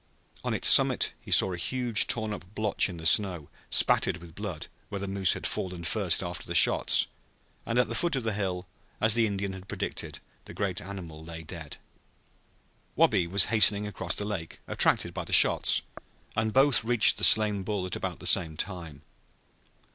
On its summit he saw a huge torn up blotch in the snow, spattered with blood, where the moose had fallen first after the shots; and at the foot of the hill, as the Indian had predicted, the great animal lay dead. Wabi was hastening across the lake, attracted by the shots, and both reached the slain bull at about the same time.